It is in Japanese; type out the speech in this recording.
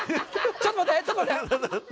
ちょっと待って！